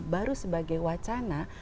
baru sebagai wacana